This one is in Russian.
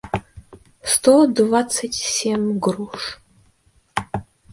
сто двадцать семь груш